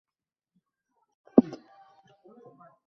ভাই, আমি জীবনেও ওরকম জিনিস দেখিনি।